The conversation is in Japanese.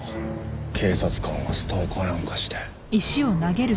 警察官がストーカーなんかして。